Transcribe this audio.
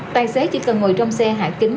tài xế chỉ cần ngồi trong xe hạ kính